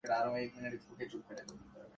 اس کے ساتھ بڑا گھر دولت کے اظہار کا ذریعہ بھی ہے۔